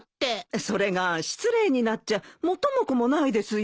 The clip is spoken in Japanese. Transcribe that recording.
それが失礼になっちゃ元も子もないですよ。